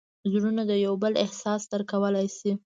زړونه د یو بل احساس درک کولی شي.